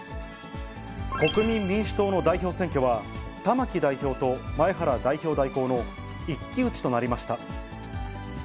国民民主党の代表選挙は、玉木代表と前原代表代行の一騎打ちとなりました。